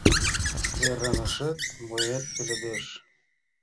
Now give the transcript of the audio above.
Йыраҥешет моэт пеледеш?